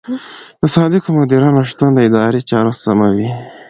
د صادقو مدیرانو شتون د ادارو چارې سموي.